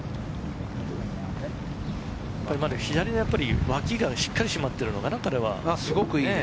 左の脇がしっかり締まってるのかな。